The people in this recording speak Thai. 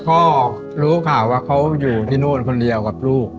ก็รู้ข่าวว่าเขาอยู่ที่นู่นคนเดียวกับลูก